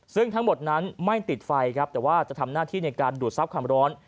ซึ่งทั้งหมดนั้นไม่ติดไฟครับแต่ว่าจะทำหน้าที่ในการดูดทรัพย์ความร้อน